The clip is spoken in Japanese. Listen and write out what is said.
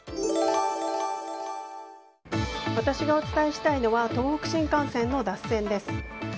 私がお伝えしたいのは東北新幹線の脱線です。